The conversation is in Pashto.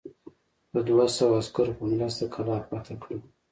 د دوه سوه عسکرو په مرسته قلا فتح کړه.